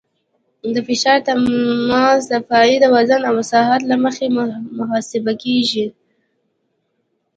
د فشار تماس د پایې د وزن او مساحت له مخې محاسبه کیږي